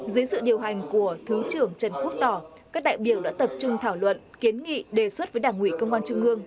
dưới sự điều hành của thứ trưởng trần quốc tỏ các đại biểu đã tập trung thảo luận kiến nghị đề xuất với đảng ủy công an trung ương